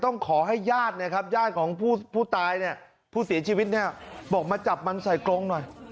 ต้องขอให้ญาติของผู้ตายผู้เสียชีวิตบอกมาจับมันใส่กรงหน่อย